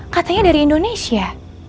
katanya dari indonesia